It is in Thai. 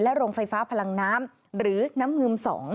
โรงไฟฟ้าพลังน้ำหรือน้ำงึม๒